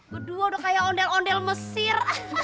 berdua udah kayak ondel ondel mesir